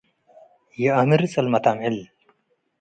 ይአምር ጽልመት አምዕል።